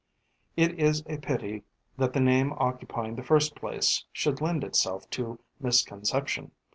It is a pity that the name occupying the first place should lend itself to misconception.